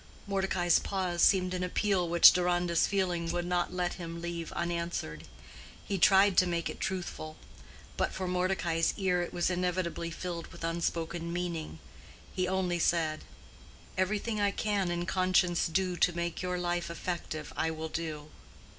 Mordecai's pause seemed an appeal which Deronda's feeling would not let him leave unanswered. He tried to make it truthful; but for Mordecai's ear it was inevitably filled with unspoken meaning. He only said, "Everything I can in conscience do to make your life effective I will do."